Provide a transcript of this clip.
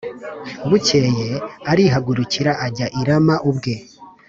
Bukeye arihagurukira ajya i Rama ubwe